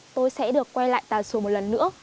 tôi sẽ được quay lại tà sùa một lần nữa